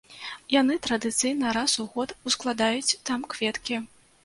Яны традыцыйна раз у год ускладаюць там кветкі.